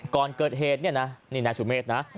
ก่อนเกิดเหตุเนี่ยนะนี่นายสุเมฆนะ